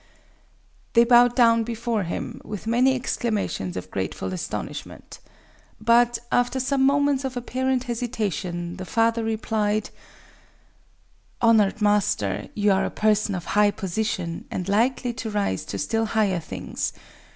They bowed down before him, with many exclamations of grateful astonishment. But, after some moments of apparent hesitation, the father replied:— "Honored master, you are a person of high position, and likely to rise to still higher things.